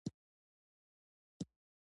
په کور کې انصاف د عدالت سبب ګرځي.